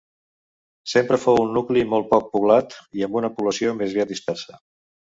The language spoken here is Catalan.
Sempre fou un nucli molt poc poblat i amb una població més aviat dispersa.